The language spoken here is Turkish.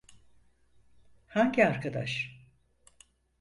Hangi arkadaş?